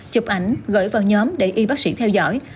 chụp ảnh gửi vào nhóm để y bác sĩ theo dõi